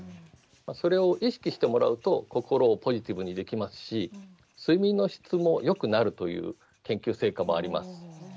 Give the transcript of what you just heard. それを意識してもらうと心をポジティブにできますし睡眠の質も良くなるという研究成果もあります。